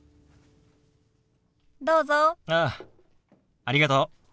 ああありがとう。